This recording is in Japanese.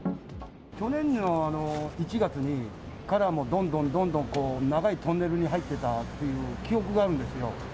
去年の１月から、どんどんどんどん、長いトンネルに入ってたっていう記憶があるんですよ。